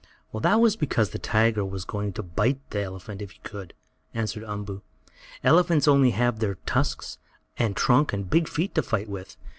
"That was because the tiger was going to bite the elephant if he could," answered Umboo. "Elephants only have their tusks, and trunk and big feet to fight with.